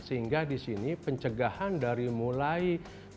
sehingga di sini pencegahan dari mulai